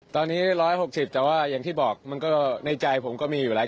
ตอนนี้๑๖๐แต่ว่าอย่างที่บอกมันก็ในใจผมก็มีอยู่แล้ว